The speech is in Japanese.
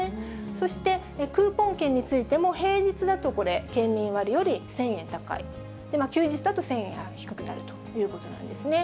そしてクーポン券についても、平日だとこれ、県民割より１０００円高い、休日だと１０００円低くなるということなんですね。